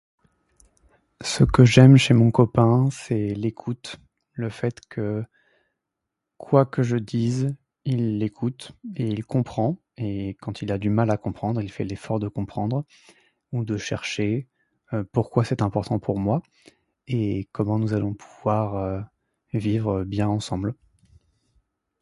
Ce que j’aime chez mon copain, c’est l'écoute, le fait que quoi que je dise, il l'écoute et il comprend, et quand il a du mal à comprendre, il fait l'effort de comprendre. Donc de chercher pourquoi c’est important pour moi, et comment nous allons pouvoir vivre bien ensemble.